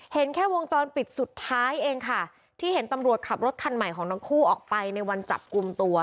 เห็นแค่วงจรปิดสุดท้ายเองค่ะที่เห็นตำรวจขับรถคันใหม่ของทั้งคู่ออกไปในวันจับกลุ่มตัว